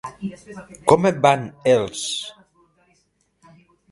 Com et van, els??